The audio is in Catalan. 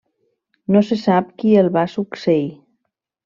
No se sap qui el va succeir.